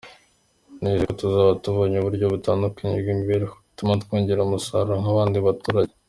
Nizeye ko tuzaba tubonye uburyo butandukanye bw’imibereho bituma twongera umusaruro nk’abandi baturage.